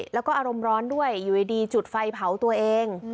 แล้วก็อารมณ์ร้อนด้วยอยู่ดีจุดไฟเผาตัวเอง